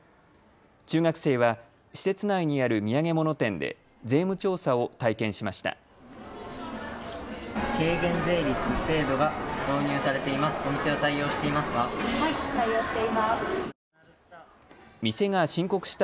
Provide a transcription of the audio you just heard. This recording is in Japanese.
中学生は施設内にある土産物店で税務調査を体験しました。